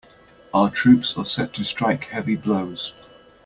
Our troops are set to strike heavy blows.